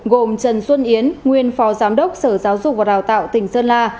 gồm trần xuân yến nguyên phó giám đốc sở giáo dục và đào tạo tỉnh sơn la